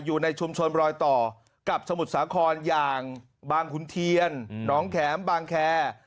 อยู่ในชุมชนรอยต่อกับสมุทรสาครอย่างบางขุนเทียนน้องแข็มบางแคร์